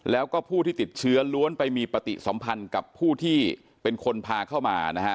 แล้วก็ผู้ที่ติดเชื้อล้วนไปมีปฏิสัมพันธ์กับผู้ที่เป็นคนพาเข้ามานะฮะ